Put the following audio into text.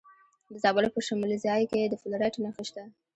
د زابل په شمولزای کې د فلورایټ نښې شته.